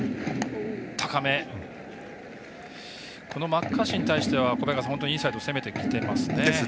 マッカーシーに対してはインサイド攻めてきてますね。